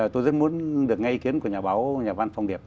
tôi rất muốn được nghe ý kiến của nhà báo nhà văn phong điệp